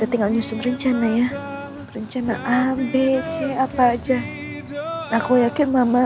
engkau jauh di mata